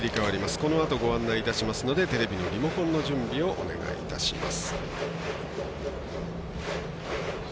このあとご案内いたしますのでテレビのリモコンの準備をお願いいたします。